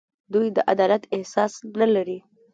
دوی د عدالت احساس نه لري.